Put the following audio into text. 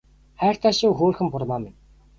Хайртай шүү хөөрхөн бурмаа минь